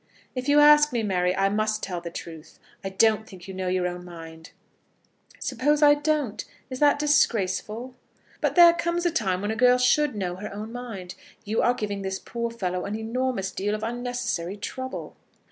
"If you ask me, Mary, I must tell the truth. I don't think you know your own mind." "Suppose I don't, is that disgraceful?" "But there comes a time when a girl should know her own mind. You are giving this poor fellow an enormous deal of unnecessary trouble."